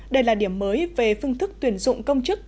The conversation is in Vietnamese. đây là điểm mới về phương thức tuyển dụng công chức